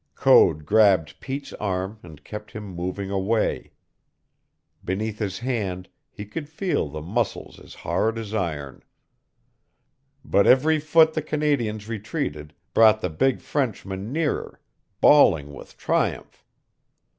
Code grabbed Pete's arm and kept him moving away. Beneath his hand he could feel the muscles as hard as iron. But every foot the Canadians retreated brought the big Frenchman nearer, bawling with triumph.